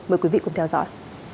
mời quý vị cùng theo dõi